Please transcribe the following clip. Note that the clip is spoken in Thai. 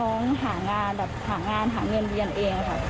น้องหางานแบบหางานหาเงินเรียนเองค่ะ